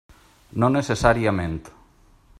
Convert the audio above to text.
No necessàriament.